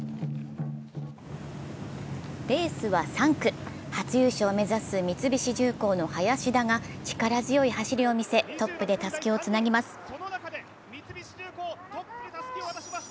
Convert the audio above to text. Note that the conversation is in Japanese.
レースは３区、初優勝を目指す三菱重工の林田が力強い走りを見せ、トップでたすきをつなぎます。